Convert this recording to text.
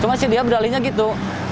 cuma sih dia beralihnya gitu